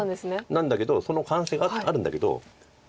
なんだけどその可能性があるんだけど。